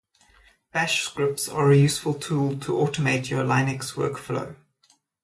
Bash scripts are a useful tool to automate your Linux workflow.